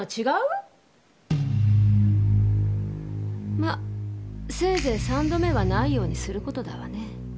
まあせいぜい三度目はないようにする事だわね。